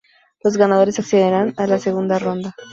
Los ganadores accederán a la Segunda ronda.